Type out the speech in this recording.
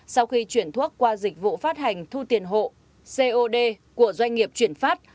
sau khi chuyển thuốc qua dịch vụ phát hành thu tiền hộ cod của doanh nghiệp chuyển phát